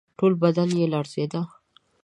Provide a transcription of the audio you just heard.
ټول بدن یې لړزېده.